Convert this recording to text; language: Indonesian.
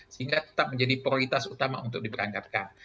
sehingga tetap menjadi prioritas utama untuk diberangkatkan